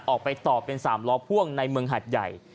ออกไปต่อเป็น๓ล้อพ่วงในเมืองหัดใหญ่